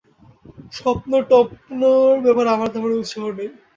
স্বপ্নটপ্নর ব্যাপারে আমার তেমন উৎসাহ নেই।